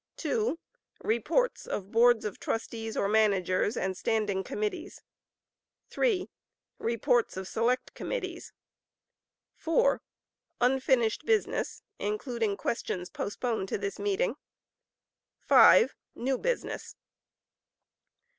(2) Reports of Boards of Trustees or Managers, and Standing Committees. (3) Reports of Select Committees. (4) Unfinished Business (including questions postponed to this meeting). (5) New Business.